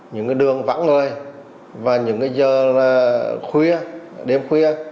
những đường vắng người và những giờ khuya đêm khuya